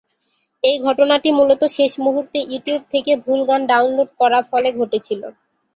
এই ঘটনাটি মূলত শেষ মুহুর্তে ইউটিউব থেকে ভুল গান ডাউনলোড করা ফলে ঘটেছিল।